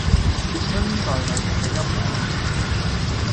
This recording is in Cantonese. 春袋咪即係陰嚢